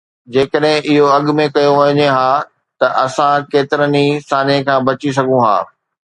جيڪڏهن اهو اڳ ۾ ڪيو وڃي ها ته اسان ڪيترن ئي سانحي کان بچي سگهون ها.